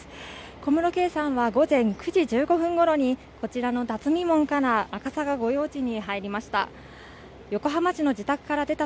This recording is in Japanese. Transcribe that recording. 小室圭さんは午前９時１５分ごろにこちらの巽門から赤坂御用地に入りました